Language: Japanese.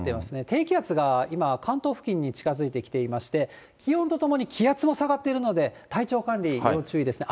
低気圧が今、関東付近に近づいてきていまして、気温とともに気圧も下がっているので、体調管理、要注意ですね。